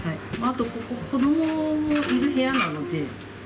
ここ、子どもがいる部屋なので。